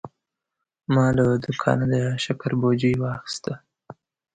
ما له دوکانه د شکر بوجي واخیسته.